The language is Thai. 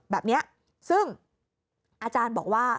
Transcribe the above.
แบบนี้ซึ่งอาจารย์บอกว่า